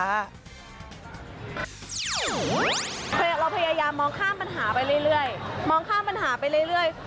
เราพยายามมองข้ามปัญหาไปเรื่อย